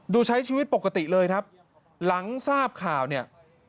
ใช้ชีวิตปกติเลยครับหลังทราบข่าวเนี่ย